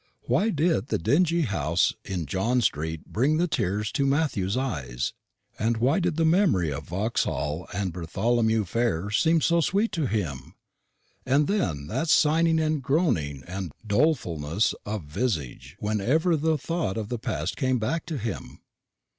Why did the dingy house in John street bring the tears into Matthew's eyes? and why did the memory of Vauxhall and Bartholomew fair seem so sweet to him? And then that sighing and groaning and dolefulness of visage whenever the thought of the past came back to him?